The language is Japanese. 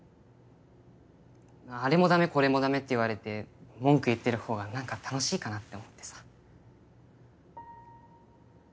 あれも駄目これも駄目って言われて文句言ってるほうがなんか楽しいかなって思ってさ。